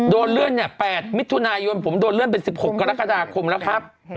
เลื่อนเนี่ย๘มิถุนายนผมโดนเลื่อนเป็น๑๖กรกฎาคมแล้วครับ